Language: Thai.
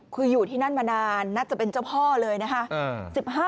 คืออยู่ที่นั่นมานานน่าจะเป็นเจ้าพ่อเลยนะคะ